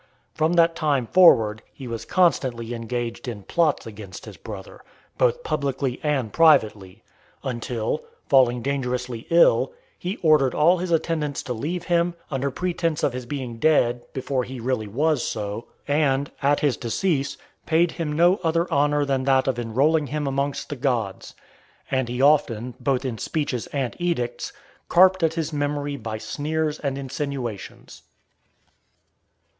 From that time forward, he was constantly engaged in plots against his brother, both publicly and privately; until, falling dangerously ill, he ordered all his attendants to (481) leave him, under pretence of his being dead, before he really was so; and, at his decease, paid him no other honour than that of enrolling him amongst the gods; and he often, both in speeches and edicts, carped at his memory by sneers and insinuations.